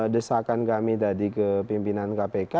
desakan kami tadi ke pimpinan kpk